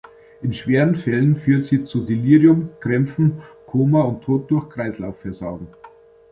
In schweren Fällen führt sie zu Delirium, Krämpfen, Koma und Tod durch Kreislaufversagen.